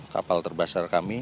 kapal terbesar kami